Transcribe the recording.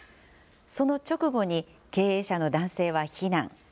その直後に経営者の男性は避難。